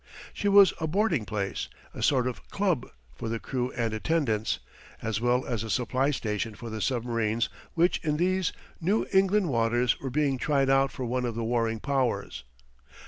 She was a boarding place, a sort of club, for the crew and attendants, as well as a supply station for the submarines which in these New England waters were being tried out for one of the warring Powers.